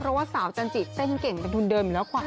เพราะว่าสาวจันจิเต้นเก่งเป็นทุนเดิมอยู่แล้วกว่า